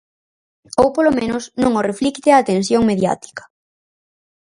Ou polo menos non o reflicte a atención mediática.